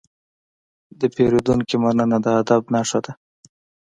د پیرودونکي مننه د ادب نښه ده.